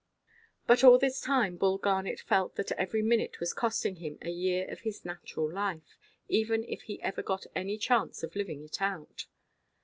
But all this time Bull Garnet felt that every minute was costing him a year of his natural life, even if he ever got any chance of living it out.